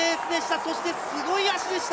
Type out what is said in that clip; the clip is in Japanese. そしてすごい脚でした！